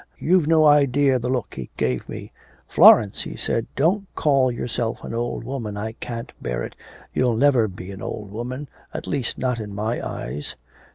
You've no idea the look he gave me. "Florence," he said, "don't call yourself an old woman, I can't bear it. You'll never be an old woman, at least not in my eyes."